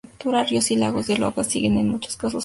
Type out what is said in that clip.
Ríos y lagos del óblast siguen en muchos casos fallas.